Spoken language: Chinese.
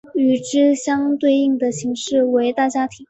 与之相对应的形式为大家庭。